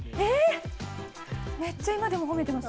めっちゃ今でも褒めてます。